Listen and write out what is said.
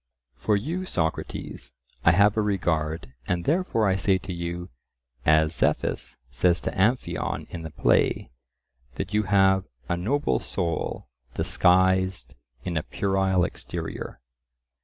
For you, Socrates, I have a regard, and therefore I say to you, as Zethus says to Amphion in the play, that you have "a noble soul disguised in a puerile exterior."